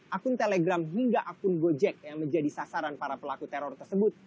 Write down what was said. akun telegram hingga akun gojek yang menjadi sasaran para pelaku teror tersebut